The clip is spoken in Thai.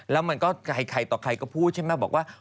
แล้วมันก็ใครต่อใครก็พูดใช่ไหมบอกว่า